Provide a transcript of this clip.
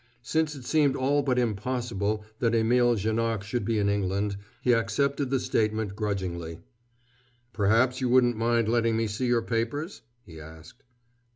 Since it seemed all but impossible that Émile Janoc should be in England, he accepted the statement grudgingly. "Perhaps you wouldn't mind letting me see your papers?" he asked.